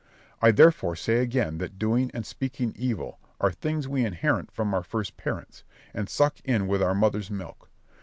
I therefore say again that doing and speaking evil are things we inherit from our first parents, and suck in with our mother's milk.